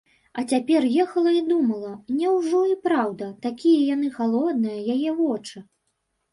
А цяпер ехала і думала: няўжо і праўда - такія яны халодныя, яе вочы?